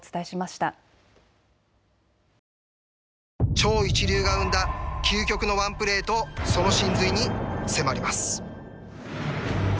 超一流が生んだ究極のワンプレーとその神髄に迫ります。